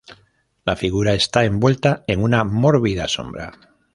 La figura está envuelta en una mórbida sombra.